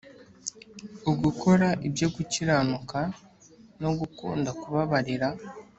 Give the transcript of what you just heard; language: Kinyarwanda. ugukora ibyo gukiranuka no gukunda kubabarira